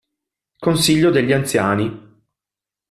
Consiglio degli Anziani